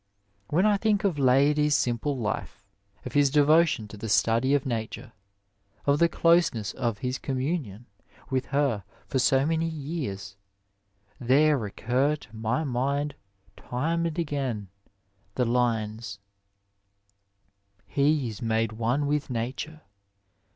When I think of Leidy's simple life, of his devotion to the study of nature, of the closeness of his communion with her for so many years, there recur to my mind time and again jkhe lines, — He is made one with nature